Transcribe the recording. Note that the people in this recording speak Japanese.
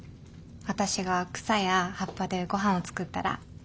私が草や葉っぱでごはんを作ったら。